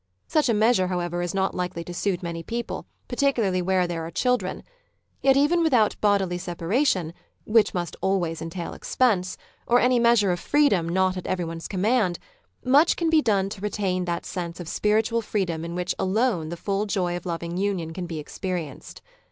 Such a measure, however, is not likely to suit many people, particularly where there are children. Yet even without bodily separation (which must always entail expense) or any measure of freedom not at everyone's command, much can be done to retain that sense of spiritual freedom in which alone the full joy of loving union can be experienced.